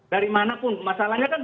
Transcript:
dari mana pun masalahnya kan